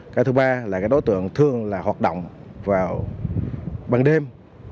cái thứ ba là các đối tượng thường là hoạt động vào ban đêm